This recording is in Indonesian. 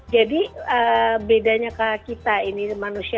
jadi bedanya kita ini